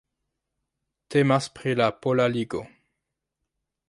Temas pri la Pola Ligo.